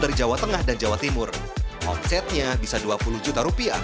dari jawa tengah dan jawa timur omsetnya bisa dua puluh juta rupiah dan jumlahnya sekitar dua ratus ribu rupiah